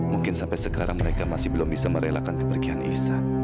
mungkin sampai sekarang mereka masih belum bisa merelakan kepergian ihsan